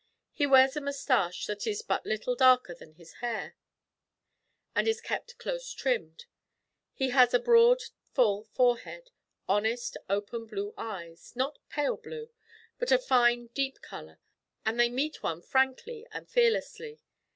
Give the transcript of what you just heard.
He wears a moustache that is but little darker than his hair, and is kept close trimmed. He has a broad, full forehead; honest, open blue eyes, not pale blue, but a fine deep colour, and they meet one frankly and fearlessly.